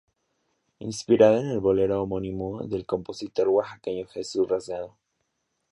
Inspirada en el bolero homónimo del compositor oaxaqueño Jesús Rasgado.